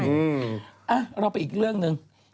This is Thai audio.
เอ้าเราไปอีกเรื่องหนึ่ง